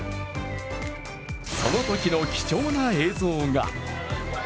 そのときの貴重な映像が。